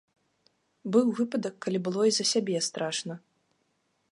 Быў выпадак, калі было і за сябе страшна.